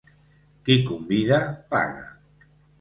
Qui convida, paga.